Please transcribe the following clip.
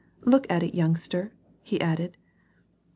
"Look at it, youngster," he added.